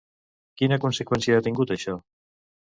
Quina conseqüència ha tingut, això?